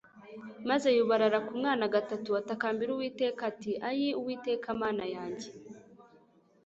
Maze yubarara ku mwana gatatu atakambira Uwiteka ati Ayii Uwiteka Mana yanjye